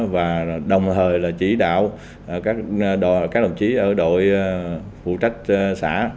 và đồng thời là chỉ đạo các đồng chí ở đội phụ trách xã